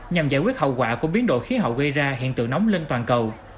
nhằm giải quyết hậu quả của biến đổi khí hậu gây ra hiện tượng nóng lên toàn cầu